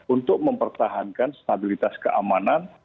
untuk mempertahankan stabilitas keamanan